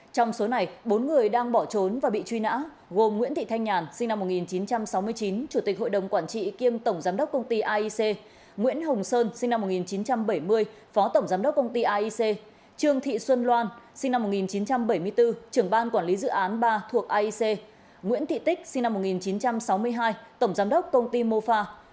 trong số này bốn người đang bỏ trốn và bị truy nã gồm nguyễn thị thanh nhàn sinh năm một nghìn chín trăm sáu mươi chín chủ tịch hội đồng quản trị kiêm tổng giám đốc công ty aic nguyễn hồng sơn sinh năm một nghìn chín trăm bảy mươi phó tổng giám đốc công ty aic trương thị xuân loan sinh năm một nghìn chín trăm bảy mươi bốn trưởng ban quản lý dự án ba thuộc aic nguyễn thị tích sinh năm một nghìn chín trăm sáu mươi hai tổng giám đốc công ty mofa